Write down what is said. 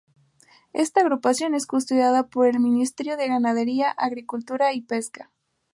Esta agrupación es custodiada por el Ministerio de Ganadería Agricultura y Pesca.